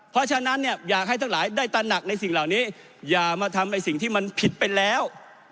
เพราะฉะนั้นเนี่ยอยากให้ทั้งหลายได้ตระหนักในสิ่งเหล่านี้อย่ามาทำไอ้สิ่งที่มันผิดไปแล้ว